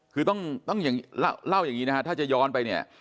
คือต้องอย่างเล่าอย่างนี้นะฮะถ้าจะย้อนไปเนี่ย